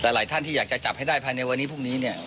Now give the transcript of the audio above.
แต่หลายท่านที่อยากจะจับให้ได้ภายในวันนี้พรุ่งนี้เนี่ย